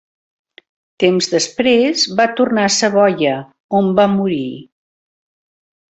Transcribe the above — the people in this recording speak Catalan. Temps després va tornar a Savoia, on va morir.